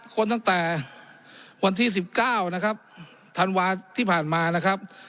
คนตั้งแต่วันที่๑๙นะครับธันวาที่ผ่านมานะครับ